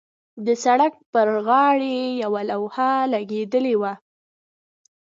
د سړک پر غاړې یوه لوحه لګېدلې وه.